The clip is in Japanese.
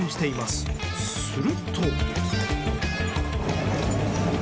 すると。